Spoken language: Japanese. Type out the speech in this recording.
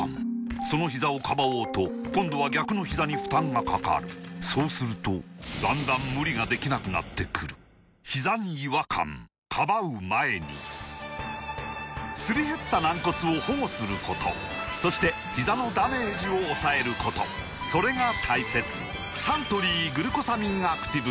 そのひざをかばおうと今度は逆のひざに負担がかかるそうするとだんだん無理ができなくなってくるすり減った軟骨を保護することそしてひざのダメージを抑えることそれが大切サントリー「グルコサミンアクティブ」